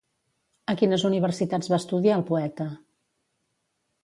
A quines universitats va estudiar el poeta?